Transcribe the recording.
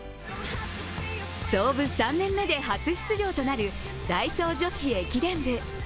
創部３年目で初出場となるダイソー女子駅伝部。